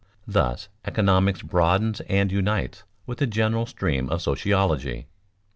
Thus economics broadens and unites with the general stream of sociology.